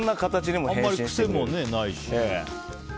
あんまり癖もないし。